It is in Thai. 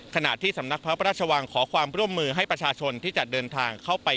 ขณะที่สำนักพระราชวังขอความร่วมมือให้ประชาชนที่จะเดินทางเข้าไป